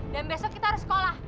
dan besok kita harus sekolah